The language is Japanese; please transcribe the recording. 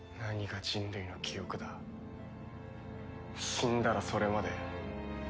死んだらそれまで。